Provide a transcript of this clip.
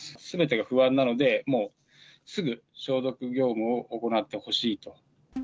すべてが不安なので、もうすぐ消毒業務を行ってほしいと。